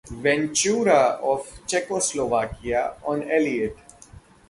Ventura of Czechoslovakia on Eliot.